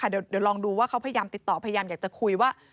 เดี๋ยวลองดูว่าเขาพยายามติดต่อพยายามอยากจะคุยว่า